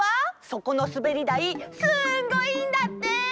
そこのすべりだいすんごいんだって！